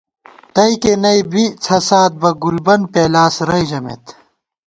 تئیکے نہ ئ بی څھسات بہ گُلبن پېلاس رَئے ژمېت